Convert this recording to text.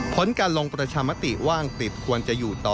ผลการลงประชามติว่างติดควรจะอยู่ต่อ